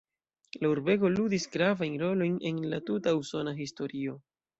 La urbego ludis gravajn rolojn en la tuta usona historio.